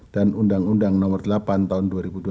dan undang undang nomor delapan tahun dua ribu dua belas